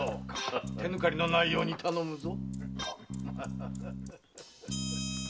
手抜かりのないように頼むぞ。